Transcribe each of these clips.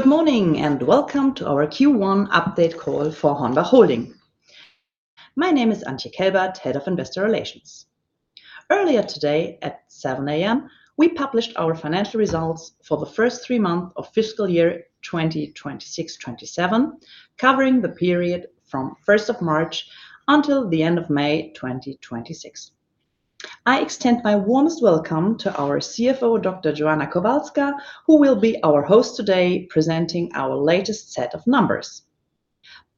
Good morning, welcome to our Q1 update call for HORNBACH Holding. My name is Antje Kelbert, Head of Investor Relations. Earlier today at 7:00 A.M., we published our financial results for the first three months of fiscal year 2026, 2027, covering the period from 1st of March until the end of May 2026. I extend my warmest welcome to our CFO, Dr. Joanna Kowalska, who will be our host today presenting our latest set of numbers.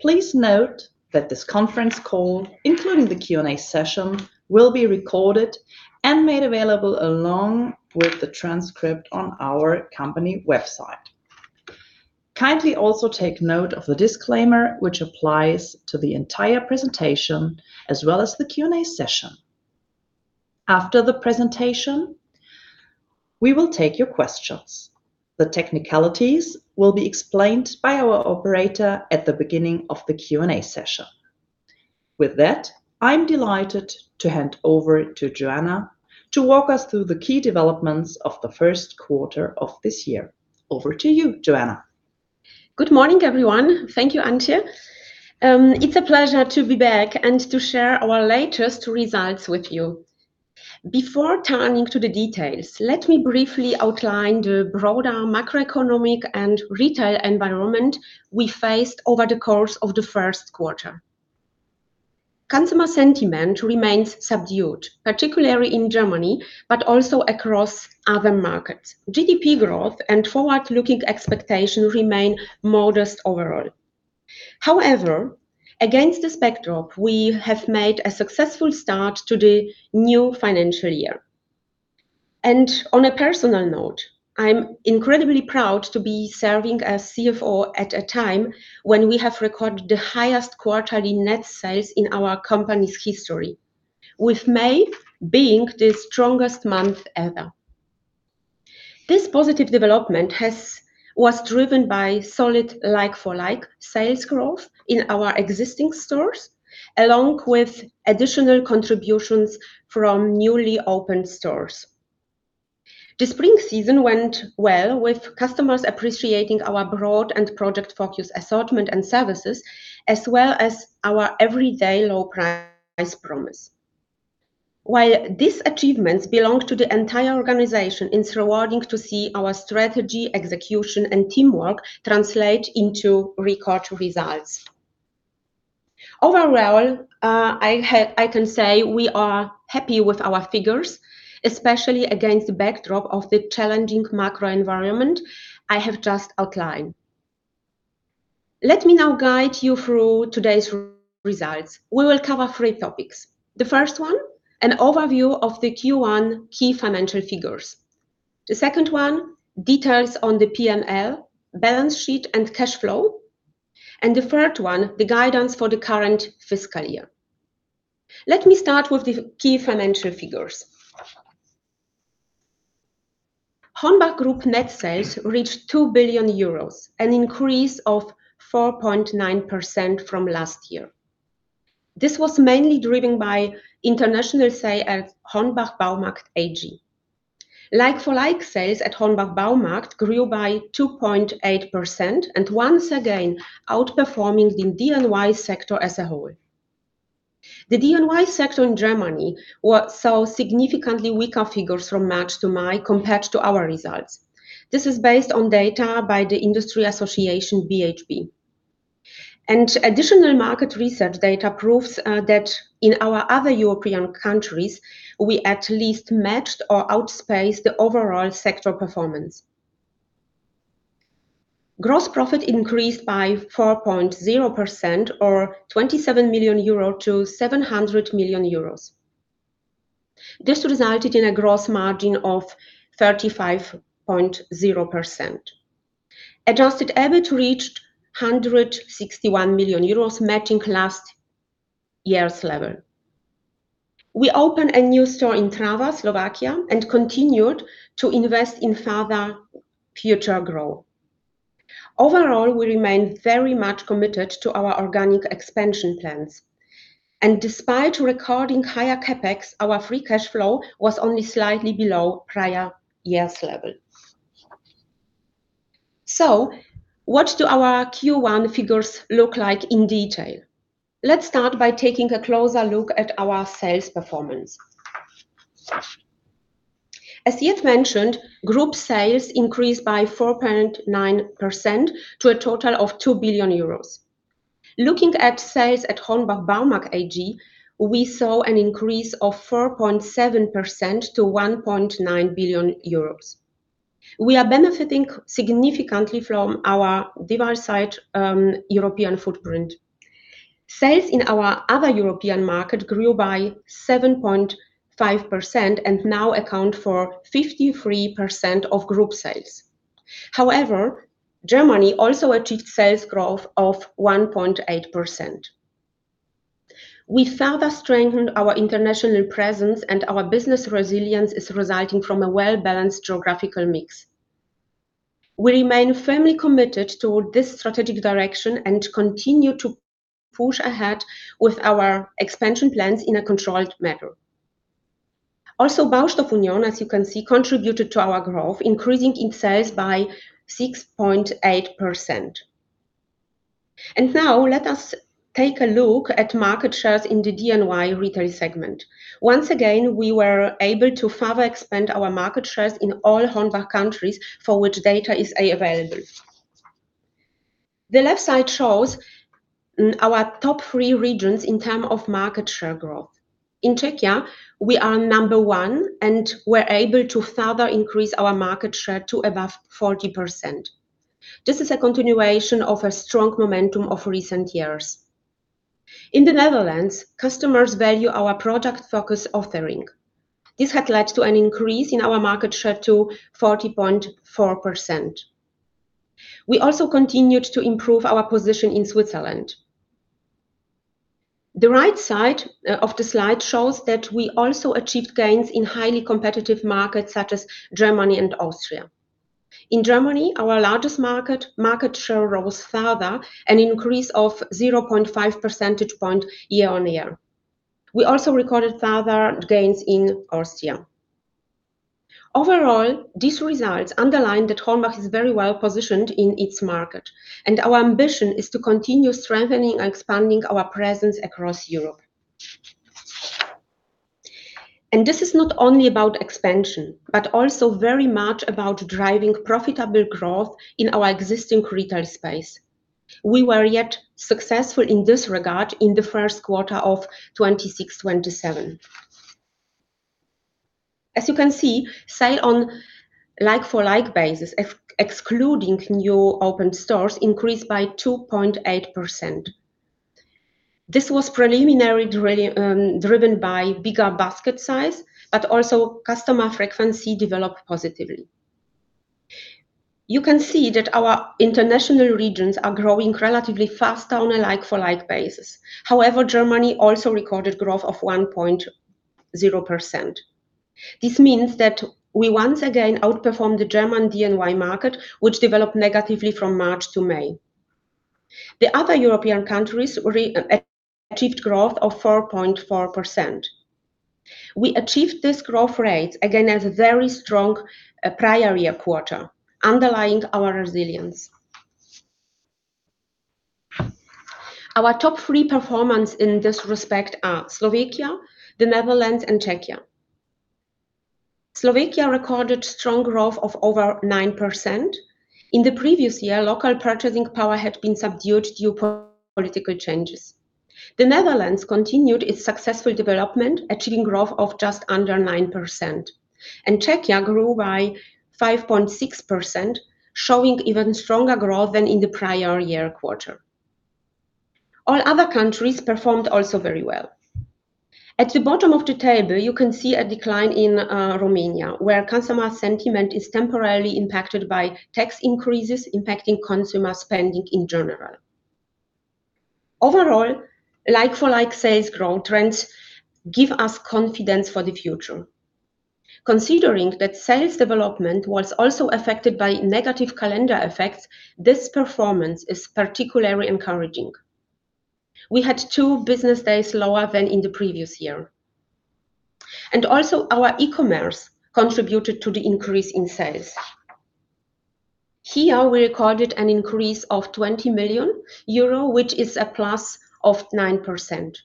Please note that this conference call, including the Q&A session, will be recorded and made available along with the transcript on our company website. Kindly also take note of the disclaimer, which applies to the entire presentation as well as the Q&A session. After the presentation, we will take your questions. The technicalities will be explained by our operator at the beginning of the Q&A session. With that, I'm delighted to hand over to Joanna to walk us through the key developments of the first quarter of this year. Over to you, Joanna. Good morning, everyone. Thank you, Antje. It's a pleasure to be back to share our latest results with you. Before turning to the details, let me briefly outline the broader macroeconomic and retail environment we faced over the course of the first quarter. Consumer sentiment remains subdued, particularly in Germany, but also across other markets. GDP growth and forward-looking expectations remain modest overall. Against this backdrop, we have made a successful start to the new financial year. On a personal note, I'm incredibly proud to be serving as CFO at a time when we have recorded the highest quarterly net sales in our company's history, with May being the strongest month ever. This positive development was driven by solid like-for-like sales growth in our existing stores, along with additional contributions from newly opened stores. The spring season went well, with customers appreciating our broad and product-focused assortment and services, as well as our everyday low price promise. While these achievements belong to the entire organization, it's rewarding to see our strategy, execution, and teamwork translate into record results. Overall, I can say we are happy with our figures, especially against the backdrop of the challenging macro environment I have just outlined. Let me now guide you through today's results. We will cover three topics. The first one, an overview of the Q1 key financial figures. The second one, details on the P&L, balance sheet, and cash flow. The third one, the guidance for the current fiscal year. Let me start with the key financial figures. HORNBACH Group net sales reached 2 billion euros, an increase of 4.9% from last year. This was mainly driven by international sales at HORNBACH Baumarkt AG. Like-for-like sales at HORNBACH Baumarkt grew by 2.8% outperforming the DIY sector as a whole. The DIY sector in Germany saw significantly weaker figures from March to May compared to our results. This is based on data by the industry association BHB. Additional market research data proves that in our other European countries, we at least matched or outpaced the overall sector performance. Gross profit increased by 4.0%, or 27 million euros to 700 million euros. This resulted in a gross margin of 35.0%. Adjusted EBIT reached 161 million euros, matching last year's level. We opened a new store in Trnava, Slovakia, and continued to invest in further future growth. Overall, we remain very much committed to our organic expansion plans. Despite recording higher CapEx, our free cash flow was only slightly below prior year's level. What do our Q1 figures look like in detail? Let's start by taking a closer look at our sales performance. As yet mentioned, group sales increased by 4.9% to a total of 2 billion euros. Looking at sales at HORNBACH Baumarkt AG, we saw an increase of 4.7% to 1.9 billion euros. We are benefiting significantly from our diversified European footprint. Sales in our other European markets grew by 7.5% and now account for 53% of group sales. However, Germany also achieved sales growth of 1.8%. We further strengthened our international presence, and our business resilience is resulting from a well-balanced geographical mix. We remain firmly committed to this strategic direction and continue to push ahead with our expansion plans in a controlled manner. Also, Baustoff Union, as you can see, contributed to our growth, increasing in sales by 6.8%. Now let us take a look at market shares in the DIY retail segment. Once again, we were able to further expand our market shares in all HORNBACH countries for which data is available. The left side shows our top three regions in term of market share growth. In Czechia, we are number one and were able to further increase our market share to above 40%. This is a continuation of a strong momentum of recent years. In the Netherlands, customers value our product-focused offering. This had led to an increase in our market share to 40.4%. We also continued to improve our position in Switzerland. The right side of the slide shows that we also achieved gains in highly competitive markets such as Germany and Austria. In Germany, our largest market share rose further, an increase of 0.5 percentage point year-on-year. We also recorded further gains in Austria. Overall, these results underline that HORNBACH is very well positioned in its market, and our ambition is to continue strengthening and expanding our presence across Europe. This is not only about expansion, but also very much about driving profitable growth in our existing retail space. We were yet successful in this regard in the first quarter of 2026, 2027. As you can see, sale on like-for-like basis, excluding new open stores, increased by 2.8%. This was preliminarily driven by bigger basket size, but also customer frequency developed positively. You can see that our international regions are growing relatively faster on a like-for-like basis. However, Germany also recorded growth of 1.0%. This means that we once again outperformed the German DIY market, which developed negatively from March to May. The other European countries achieved growth of 4.4%. We achieved this growth rate against a very strong prior year quarter, underlying our resilience. Our top three performance in this respect are Slovakia, the Netherlands and Czechia. Slovakia recorded strong growth of over 9%. In the previous year, local purchasing power had been subdued due political changes. The Netherlands continued its successful development, achieving growth of just under 9%, and Czechia grew by 5.6%, showing even stronger growth than in the prior year quarter. All other countries performed also very well. At the bottom of the table, you can see a decline in Romania, where customer sentiment is temporarily impacted by tax increases impacting consumer spending in general. Overall, like-for-like sales growth trends give us confidence for the future. Considering that sales development was also affected by negative calendar effects, this performance is particularly encouraging. We had two business days lower than in the previous year. Also our e-commerce contributed to the increase in sales. Here we recorded an increase of 20 million euro, which is a plus of 9%.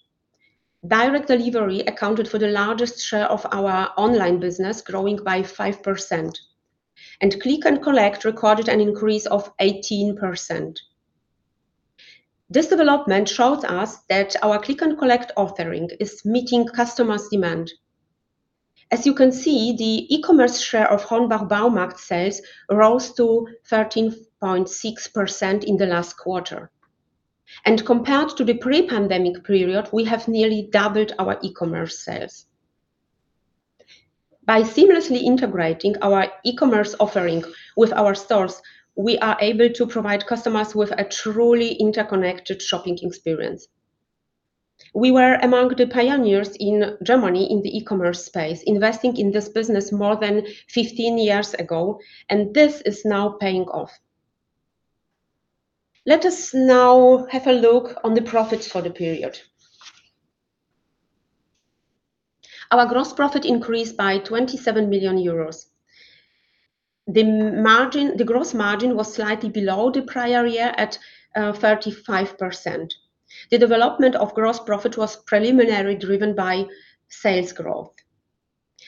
Direct delivery accounted for the largest share of our online business, growing by 5%, and click and collect recorded an increase of 18%. This development shows us that our click and collect offering is meeting customers' demand. As you can see, the e-commerce share of HORNBACH Baumarkt sales rose to 13.6% in the last quarter. Compared to the pre-pandemic period, we have nearly doubled our e-commerce sales. By seamlessly integrating our e-commerce offering with our stores, we are able to provide customers with a truly interconnected shopping experience. We were among the pioneers in Germany in the e-commerce space, investing in this business more than 15 years ago, and this is now paying off. Let us now have a look on the profits for the period. Our gross profit increased by 27 million euros. The gross margin was slightly below the prior year at 35%. The development of gross profit was preliminarily driven by sales growth.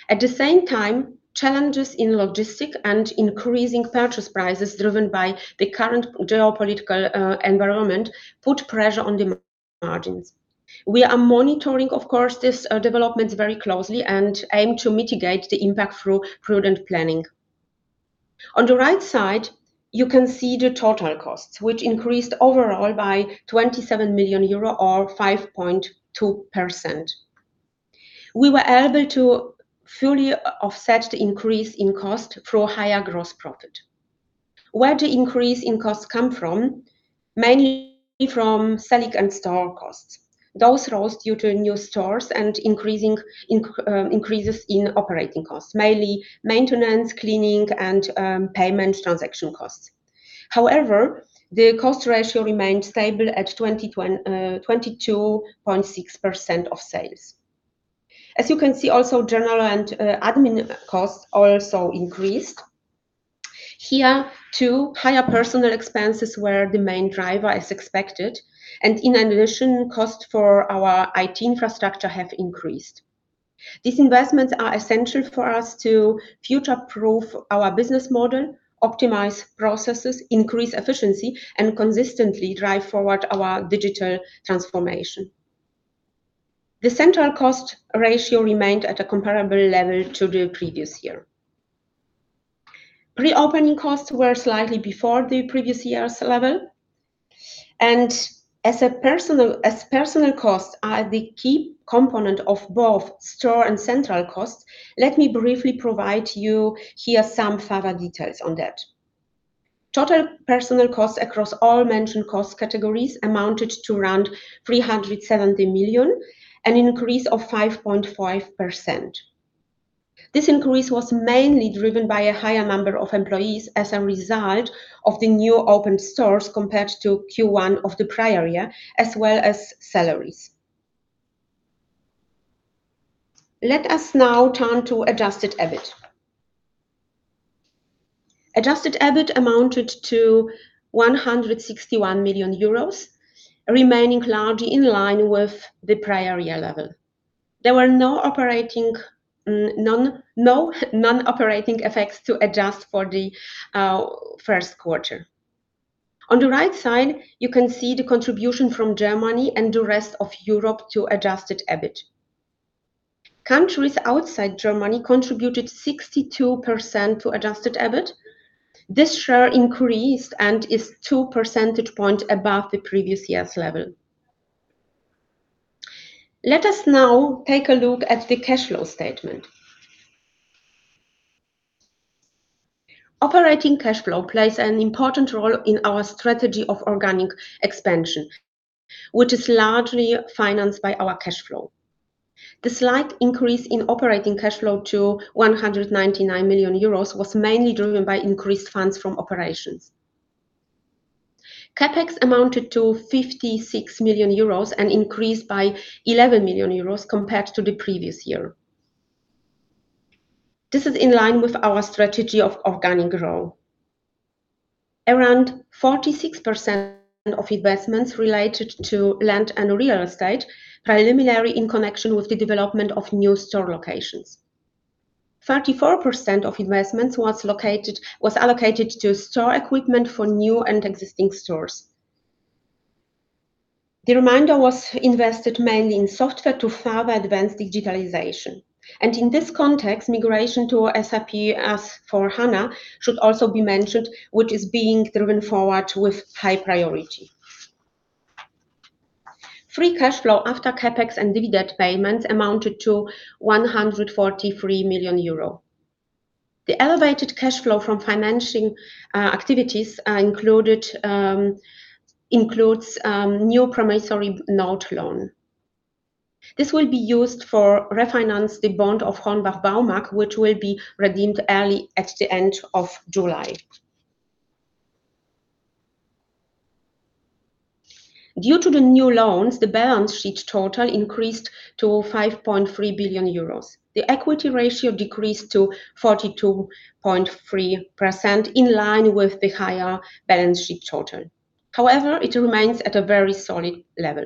At the same time, challenges in logistic and increasing purchase prices driven by the current geopolitical environment put pressure on the margins. We are monitoring, of course, these developments very closely and aim to mitigate the impact through prudent planning. On the right side, you can see the total costs, which increased overall by 27 million euro or 5.2%. We were able to fully offset the increase in cost through higher gross profit. Where the increase in costs come from? Mainly from selling and store costs. Those rose due to new stores and increases in operating costs, mainly maintenance, cleaning, and payment transaction costs. The cost ratio remained stable at 22.6% of sales. As you can see also, general and admin costs also increased. Here, too, higher personnel expenses were the main driver as expected, and in addition, costs for our IT infrastructure have increased. These investments are essential for us to future-proof our business model, optimize processes, increase efficiency, and consistently drive forward our digital transformation. The central cost ratio remained at a comparable level to the previous year. Reopening costs were slightly before the previous year's level. As personnel costs are the key component of both store and central costs, let me briefly provide you here some further details on that. Total personnel costs across all mentioned cost categories amounted to around 370 million, an increase of 5.5%. This increase was mainly driven by a higher number of employees as a result of the new open stores compared to Q1 of the prior year, as well as salaries. Let us now turn to adjusted EBIT. Adjusted EBIT amounted to 161 million euros, remaining largely in line with the prior year level. There were no non-operating effects to adjust for the first quarter. On the right side, you can see the contribution from Germany and the rest of Europe to adjusted EBIT. Countries outside Germany contributed 62% to adjusted EBIT. This share increased and is two percentage points above the previous year's level. Let us now take a look at the cash flow statement. Operating cash flow plays an important role in our strategy of organic expansion, which is largely financed by our cash flow. The slight increase in operating cash flow to 199 million euros was mainly driven by increased funds from operations. CapEx amounted to 56 million euros and increased by 11 million euros compared to the previous year. This is in line with our strategy of organic growth. Around 46% of investments related to land and real estate, preliminary in connection with the development of new store locations. 34% of investments was allocated to store equipment for new and existing stores. The remainder was invested mainly in software to further advance digitalization. In this context, migration to SAP S/4HANA should also be mentioned, which is being driven forward with high priority. Free cash flow after CapEx and dividend payments amounted to 143 million euro. The elevated cash flow from financing activities includes new promissory note loan. This will be used for refinance the bond of HORNBACH Baumarkt, which will be redeemed early at the end of July. Due to the new loans, the balance sheet total increased to 5.3 billion euros. The equity ratio decreased to 42.3%, in line with the higher balance sheet total. However, it remains at a very solid level.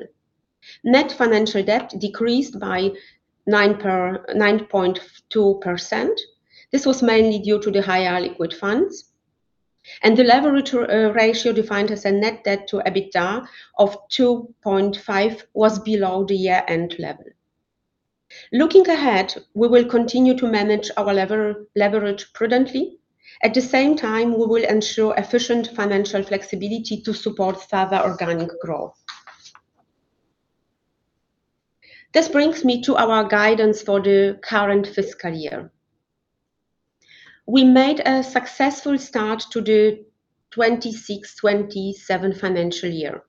Net financial debt decreased by 9.2%. This was mainly due to the higher liquid funds. The leverage ratio, defined as a net debt to EBITDA of 2.5, was below the year-end level. Looking ahead, we will continue to manage our leverage prudently. At the same time, we will ensure efficient financial flexibility to support further organic growth. This brings me to our guidance for the current fiscal year. We made a successful start to the 2026, 2027 financial year.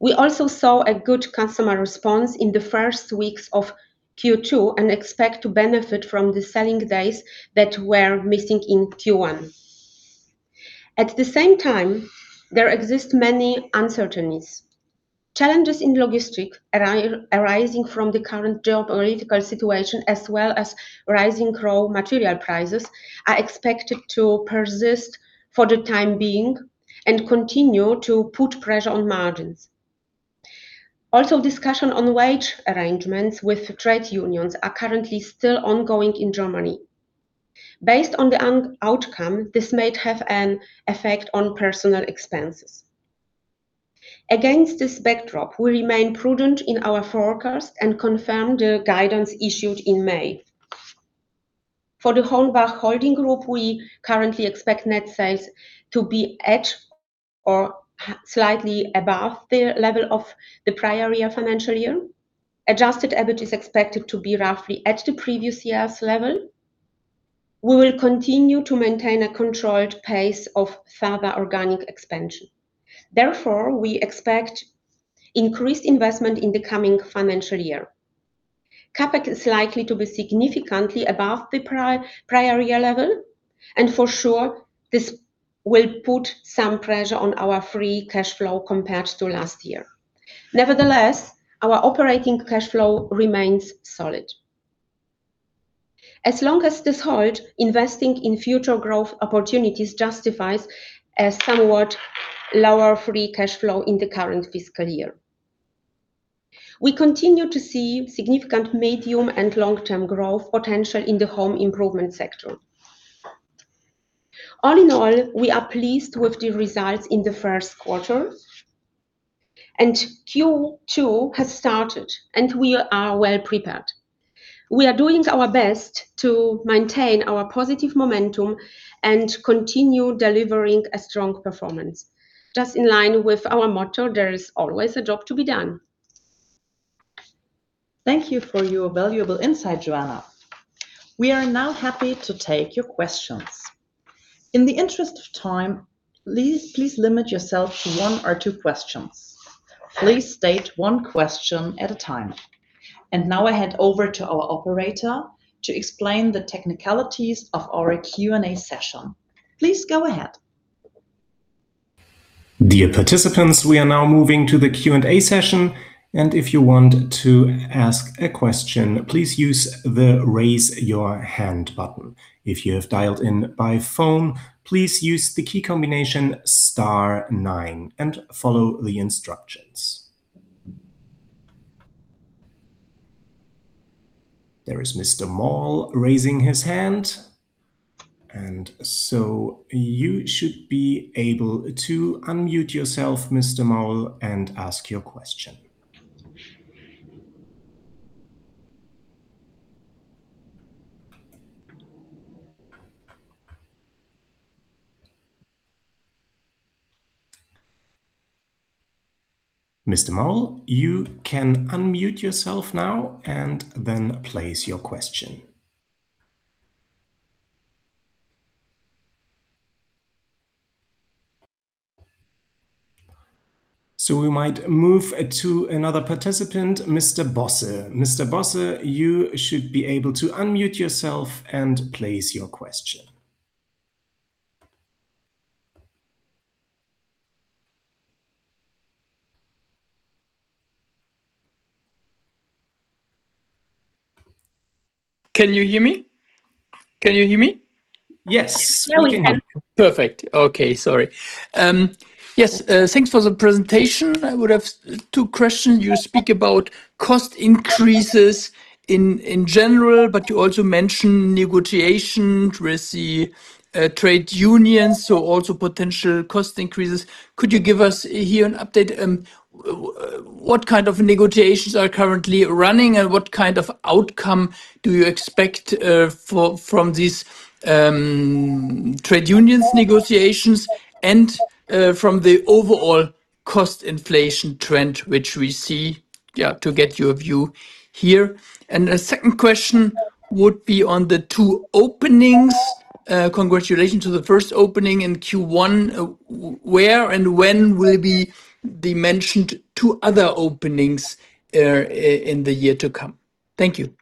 We also saw a good customer response in the first weeks of Q2 and expect to benefit from the selling days that were missing in Q1. At the same time, there exist many uncertainties. Challenges in logistics arising from the current geopolitical situation as well as rising raw material prices are expected to persist for the time being and continue to put pressure on margins. Discussion on wage arrangements with trade unions are currently still ongoing in Germany. Based on the outcome, this might have an effect on personal expenses. Against this backdrop, we remain prudent in our forecast and confirm the guidance issued in May. For the HORNBACH Holding Group, we currently expect net sales to be at or slightly above the level of the prior year financial year. Adjusted EBIT is expected to be roughly at the previous year's level. We will continue to maintain a controlled pace of further organic expansion. Therefore, we expect increased investment in the coming financial year. CapEx is likely to be significantly above the prior year level, and for sure, this will put some pressure on our free cash flow compared to last year. Nevertheless, our operating cash flow remains solid. As long as this holds, investing in future growth opportunities justifies a somewhat lower free cash flow in the current fiscal year. We continue to see significant medium and long-term growth potential in the home improvement sector. All in all, we are pleased with the results in the first quarter, and Q2 has started and we are well-prepared. We are doing our best to maintain our positive momentum and continue delivering a strong performance. Just in line with our motto, there is always a job to be done. Thank you for your valuable insight, Joanna. We are now happy to take your questions. In the interest of time, please limit yourself to one or two questions. Please state one question at a time. Now I hand over to our operator to explain the technicalities of our Q&A session. Please go ahead. Dear participants, we are now moving to the Q&A session, and if you want to ask a question, please use the raise your hand button. If you have dialed in by phone, please use the key combination star nine and follow the instructions. There is Mr. Maul raising his hand, and so you should be able to unmute yourself, Mr. Maul, and ask your question. Mr. Maul, you can unmute yourself now and then place your question. We might move to another participant, Mr. Bosse. Mr. Bosse, you should be able to unmute yourself and place your question. Can you hear me? Yes. Now we can. Perfect. Okay. Sorry. Thanks for the presentation. I would have two questions. You speak about cost increases in general, but you also mention negotiations with the trade unions, so also potential cost increases. Could you give us here an update? What kind of negotiations are currently running and what kind of outcome do you expect from these trade unions negotiations and from the overall cost inflation trend which we see? To get your view here. A second question would be on the two openings. Congratulations on the first opening in Q1. Where and when will be the mentioned two other openings in the year to come? Thank you.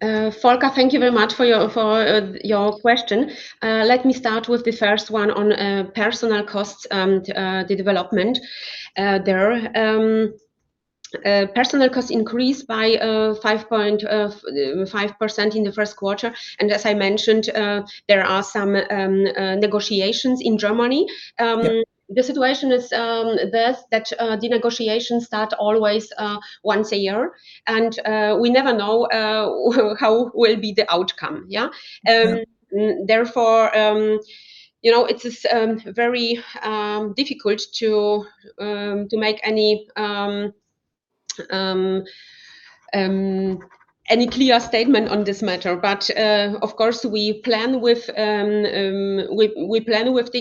Volker, thank you very much for your question. Let me start with the first one on personal costs and the development there. Personal costs increased by 5.5% in the first quarter. As I mentioned, there are some negotiations in Germany. Yeah. The situation is that the negotiations start always once a year, and we never know how will be the outcome. Yeah. Therefore, it's very difficult to make any clear statement on this matter. Of course, we plan with the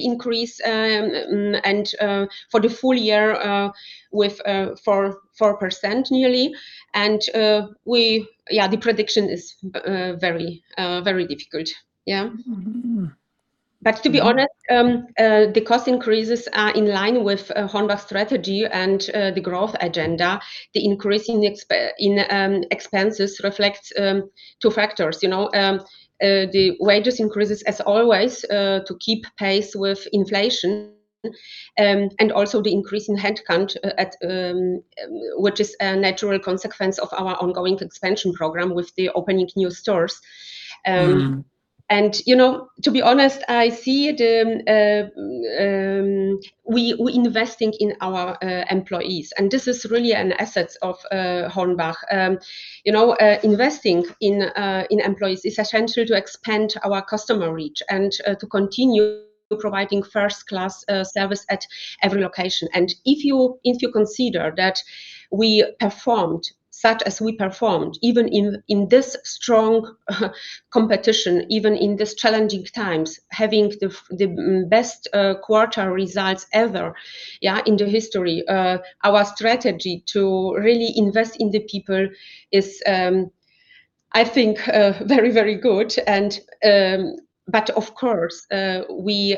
increase, and for the full year, with 4% nearly. The prediction is very difficult. Yeah? To be honest, the cost increases are in line with HORNBACH strategy and the growth agenda. The increase in expenses reflects two factors. The wages increases, as always, to keep pace with inflation, and also the increase in headcount, which is a natural consequence of our ongoing expansion program with the opening new stores. To be honest, I see it, we investing in our employees, and this is really an asset of HORNBACH. Investing in employees is essential to expand our customer reach and to continue providing first-class service at every location. If you consider that we performed such as we performed, even in this strong competition, even in these challenging times, having the best quarter results ever in the history, our strategy to really invest in the people is, I think, very, very good. Of course, we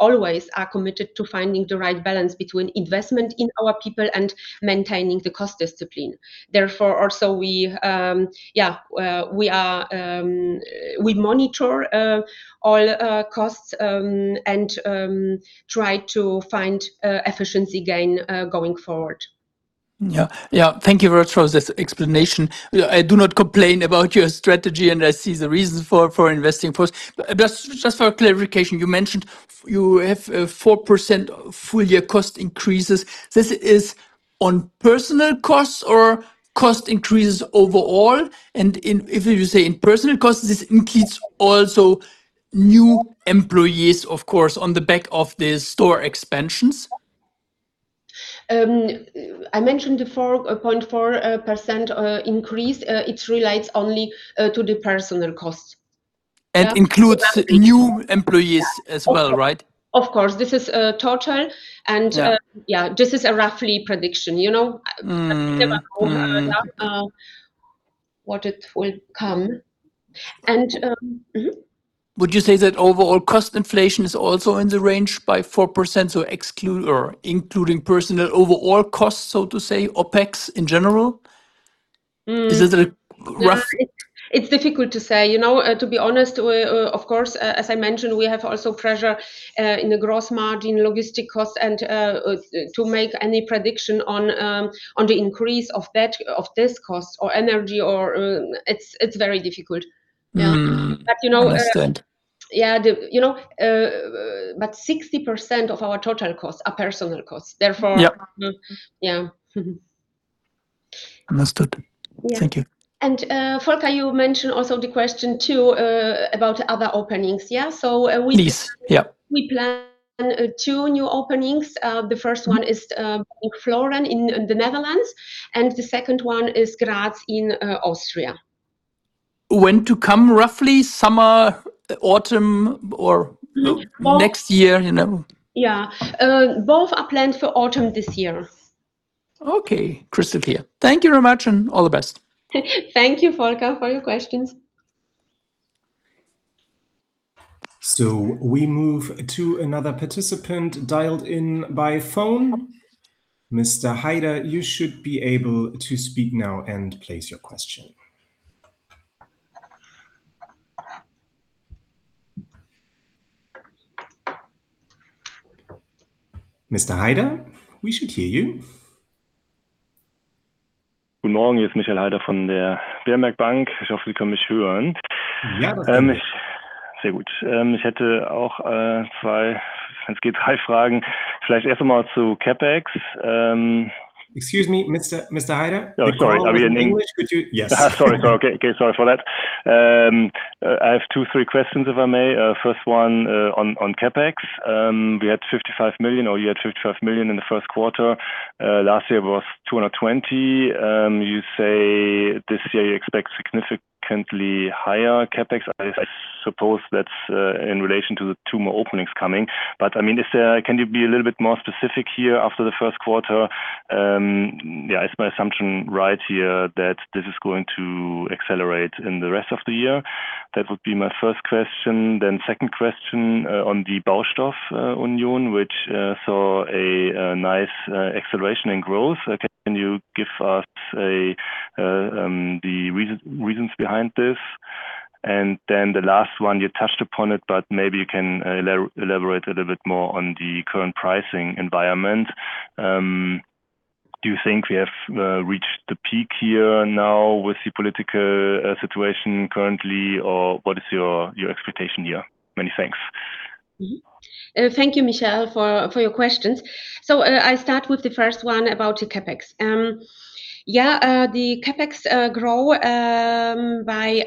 always are committed to finding the right balance between investment in our people and maintaining the cost discipline. Therefore, also we monitor all costs and try to find efficiency gain going forward. Yeah. Thank you very much for this explanation. I do not complain about your strategy, and I see the reasons for investing first. Just for clarification, you mentioned you have 4% full year cost increases. This is on personal costs or cost increases overall? If you say in personal costs, this includes also new employees, of course, on the back of the store expansions? I mentioned the 4.4% increase, it relates only to the personal costs. Includes new employees as well, right? Of course, this is total. Yeah. Yeah, this is a rough prediction. You know? Never know what it will come. Would you say that overall cost inflation is also in the range by 4%, so including personal overall costs, so to say, OpEx in general? Is this a rough. It's difficult to say, to be honest. Of course, as I mentioned, we have also pressure in the gross margin logistics cost and to make any prediction on the increase of this cost or energy. It's very difficult. Yeah. You know. Understood yeah. 60% of our total costs are personal costs. Yep yeah. Mm-hmm. Understood. Yeah. Thank you. Volker, you mentioned also the question, too, about other openings, yeah? Please, yeah. We plan two new openings. The first one is in Vloeren in the Netherlands. The second one is Graz in Austria. When to come roughly? Summer, autumn, or next year? Yeah. Both are planned for autumn this year. Okay. Crystal clear. Thank you very much, and all the best. Thank you, Volker, for your questions. We move to another participant dialed in by phone. Mr. Heider, you should be able to speak now and place your question. Mr. Heider, we should hear you. Good morning. It is Michael Heider from the Berenberg Bank. I hope you can hear me. Yeah, that's better. Very good. I have two, three questions, maybe first to CapEx. Excuse me, Mr. Heider. Oh, sorry. If you follow in English, could you- Yes. Sorry. Okay. Sorry for that. I have two, three questions, if I may. First one on CapEx. We had 55 million, or you had 55 million in the first quarter. Last year was 220 million. You say this year you expect significantly higher CapEx. I suppose that's in relation to the two more openings coming. Can you be a little bit more specific here after the first quarter? Yeah. Is my assumption right here that this is going to accelerate in the rest of the year? That would be my first question. Second question on the Baustoff Union, which saw a nice acceleration in growth. Can you give us the reasons behind this? The last one, you touched upon it, but maybe you can elaborate a little bit more on the current pricing environment. Do you think we have reached the peak here now with the political situation currently, or what is your expectation here? Many thanks. Mm-hmm. Thank you, Michael, for your questions. I start with the first one about the CapEx. Yeah, the CapEx grow by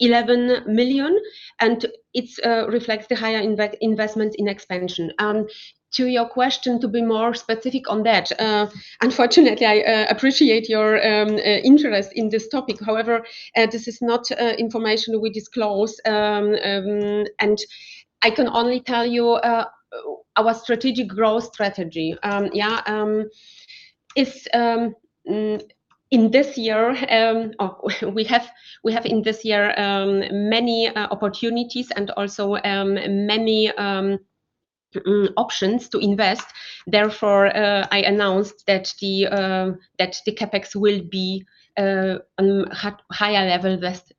11 million, and it reflects the higher investment in expansion. To your question, to be more specific on that, unfortunately, I appreciate your interest in this topic. However, this is not information we disclose, and I can only tell you our strategic growth strategy. Yeah. We have in this year many opportunities and also many options to invest. I announced that the CapEx will be on higher level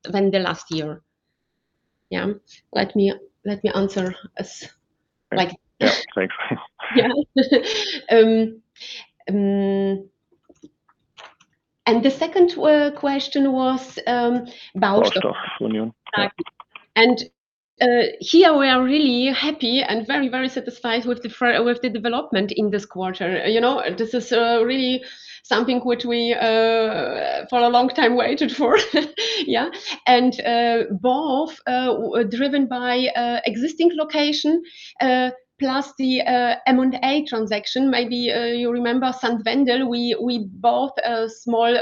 than the last year. Yeah. Let me answer as like- Yeah. Thanks. Yeah. The second question was Baustoff. Baustoff Union. Yeah. Here we are really happy and very, very satisfied with the development in this quarter. This is really something which we for a long time waited for. Yeah. Both driven by existing location, plus the M&A transaction. Maybe you remember St. Wendel, we bought a small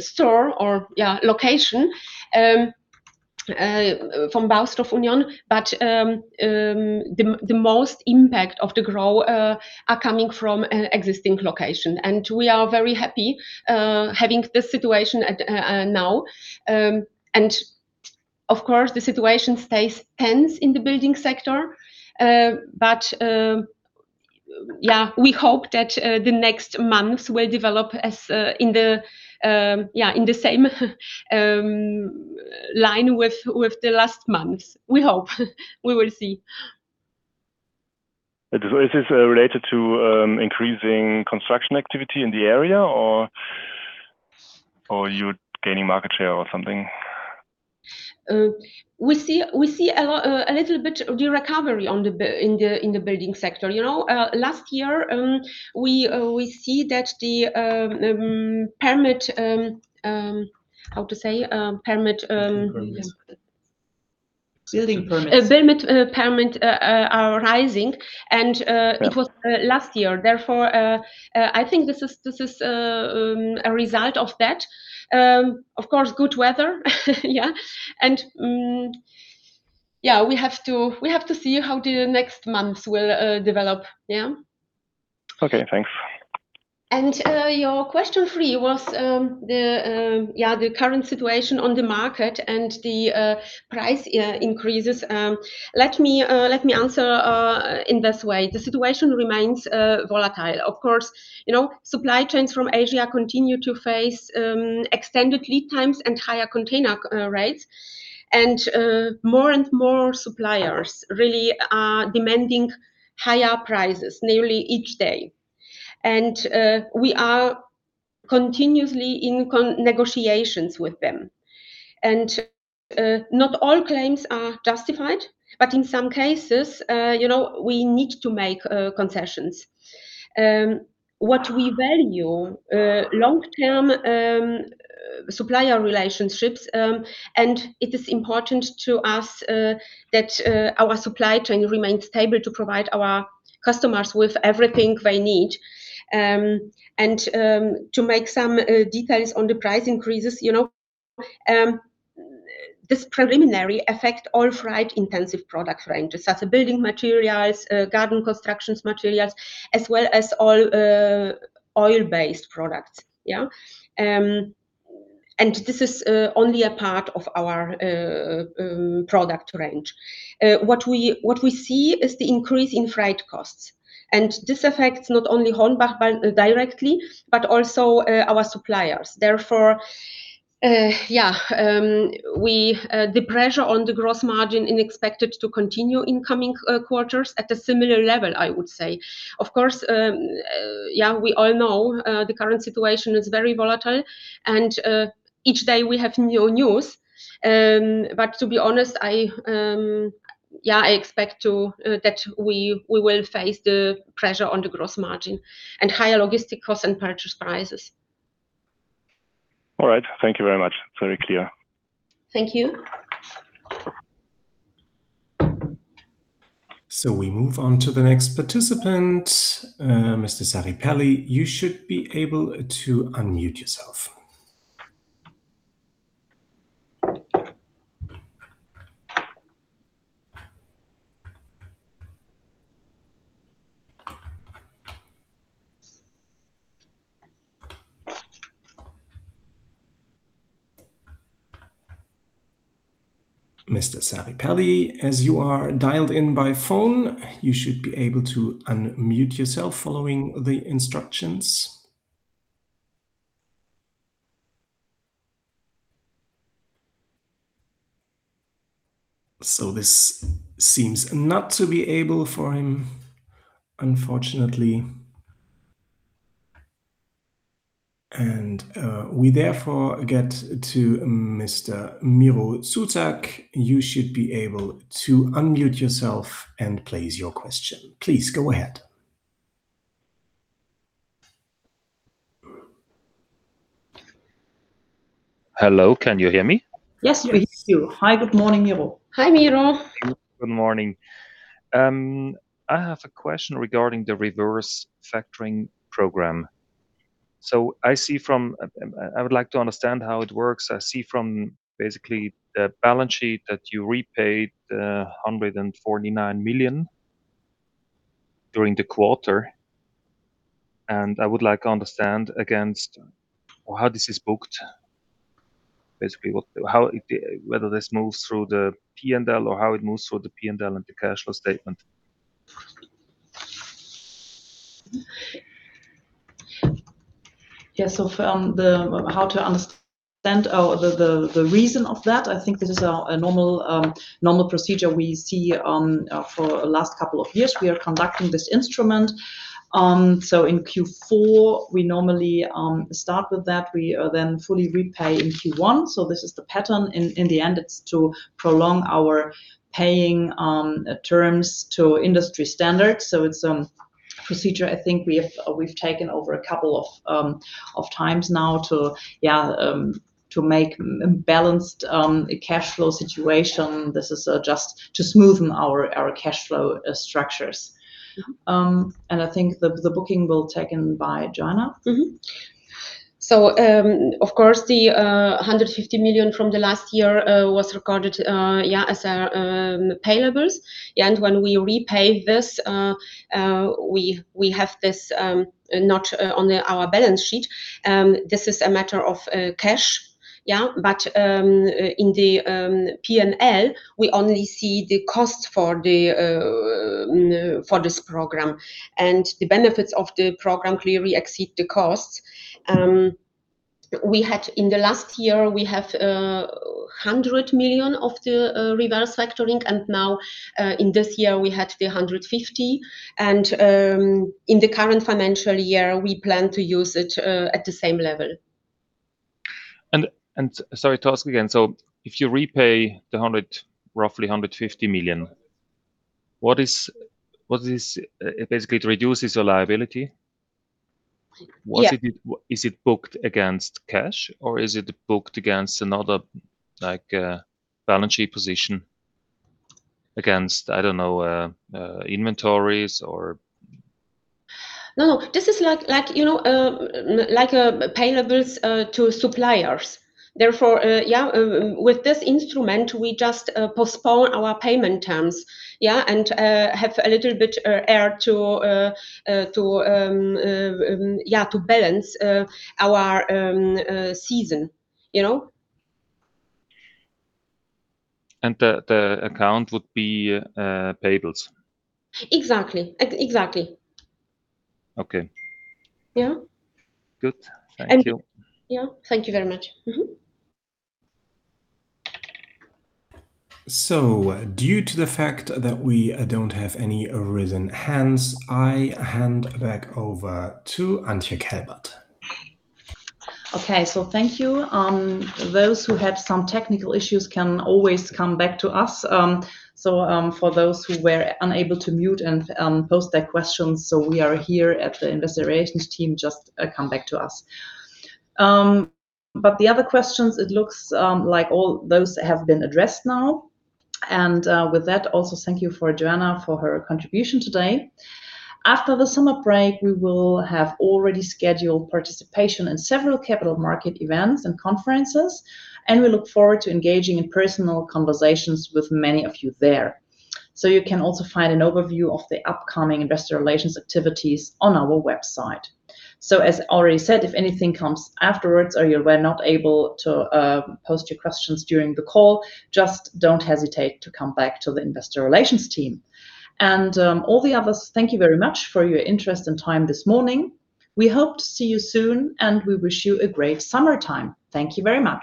store or, yeah, location from Baustoff Union. The most impact of the grow are coming from existing location, and we are very happy having this situation now. Of course, the situation stays tense in the building sector. Yeah, we hope that the next months will develop as in the same line with the last months. We hope. We will see. Is this related to increasing construction activity in the area, or you gaining market share or something? We see a little bit of the recovery in the building sector. Last year, we see that the permit, how to say? Building permits. Building permits are rising, it was last year. Therefore, I think this is a result of that. Of course, good weather. Yeah. We have to see how the next months will develop. Yeah. Okay, thanks. Your question three was the current situation on the market and the price increases. Let me answer in this way. The situation remains volatile. Of course, supply chains from Asia continue to face extended lead times and higher container rates. More and more suppliers really are demanding higher prices nearly each day. We are continuously in negotiations with them. Not all claims are justified, but in some cases we need to make concessions. What we value, long-term supplier relationships, and it is important to us that our supply chain remains stable to provide our customers with everything they need. To make some details on the price increases, this preliminary affect all freight intensive product ranges, such as building materials, garden constructions materials, as well as all oil-based products. Yeah. This is only a part of our product range. What we see is the increase in freight costs, and this affects not only HORNBACH directly, but also our suppliers. Therefore, the pressure on the gross margin is expected to continue in coming quarters at a similar level, I would say. Of course, we all know the current situation is very volatile and each day we have new news. To be honest, I expect too that we will face the pressure on the gross margin and higher logistics costs and purchase prices. All right. Thank you very much. Very clear. Thank you. We move on to the next participant. Mr. Saripalli, you should be able to unmute yourself. Mr. Saripalli, as you are dialed in by phone, you should be able to unmute yourself following the instructions. This seems not to be able for him, unfortunately. We therefore get to Mr. Miro Sutak. You should be able to unmute yourself and place your question. Please go ahead. Hello, can you hear me? Yes, we hear you. Hi, good morning, Miro. Hi, Miro. Good morning. I have a question regarding the reverse factoring program. I would like to understand how it works. I see from basically the balance sheet that you repaid 149 million during the quarter, and I would like to understand against how this is booked, basically whether this moves through the P&L, or how it moves through the P&L and the cash flow statement. From how to understand the reason of that, I think this is a normal procedure we see for the last couple of years we are conducting this instrument. In Q4, we normally start with that. We then fully repay in Q1, this is the pattern. In the end, it is to prolong our paying terms to industry standards. It is a procedure I think we have taken over a couple of times now to make a balanced cash flow situation. This is just to smoothen our cash flow structures. I think the booking will taken by Joanna. Of course, the 150 million from the last year was recorded as our payables. When we repay this, we have this not on our balance sheet. This is a matter of cash. In the P&L, we only see the cost for this program. The benefits of the program clearly exceed the costs. In the last year, we have 100 million of the reverse factoring, and now in this year, we had the 150 million. In the current financial year, we plan to use it at the same level. Sorry to ask again. If you repay the roughly EUR 150 million, basically it reduces your liability? Yeah. Is it booked against cash, or is it booked against another balance sheet position against, I don't know, inventories or? No. This is like payables to suppliers. With this instrument, we just postpone our payment terms, yeah, and have a little bit air to balance our season. The account would be payables? Exactly. Okay. Yeah. Good. Thank you. Yeah. Thank you very much. Due to the fact that we don't have any risen hands, I hand back over to Antje Kelbert. Okay. Thank you. Those who had some technical issues can always come back to us. For those who were unable to mute and post their questions, so we are here at the Investor Relations team, just come back to us. The other questions, it looks like all those have been addressed now. With that, also thank you for Joanna for her contribution today. After the summer break, we will have already scheduled participation in several capital market events and conferences, and we look forward to engaging in personal conversations with many of you there. You can also find an overview of the upcoming Investor Relations activities on our website. As already said, if anything comes afterwards or you were not able to post your questions during the call, just don't hesitate to come back to the Investor Relations team. All the others, thank you very much for your interest and time this morning. We hope to see you soon, and we wish you a great summertime. Thank you very much